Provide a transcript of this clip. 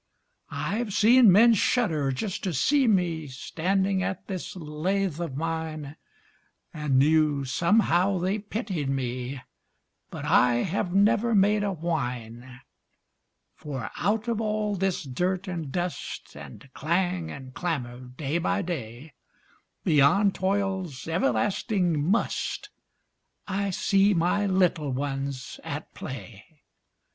I've seen men shudder just to see Me standing at this lathe of mine, And knew somehow they pitied me, But I have never made a whine; For out of all this dirt and dust And clang and clamor day by day, Beyond toil's everlasting "must," I see my little ones at play.